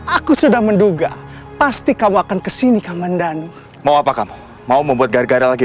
aku sudah menduga pasti kamu akan kesini kamu mendanai mau apa kamu mau membuat gara gara lagi